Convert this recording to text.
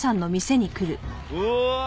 うわ！